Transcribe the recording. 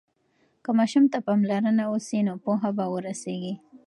که ماشوم ته پاملرنه وسي نو پوهه به ورسيږي.